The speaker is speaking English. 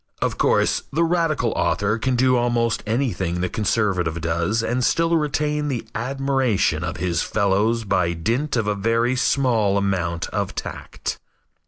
Of course, the radical author can do almost anything the conservative does and still retain the admiration of his fellows by dint of a very small amount of tact.